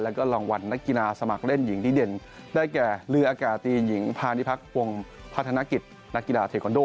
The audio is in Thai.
แล้วก็รางวัลนักกีฬาสมัครเล่นหญิงที่เด่นได้แก่เรืออากาศตีหญิงพาณิพักษ์วงพัฒนกิจนักกีฬาเทคอนโด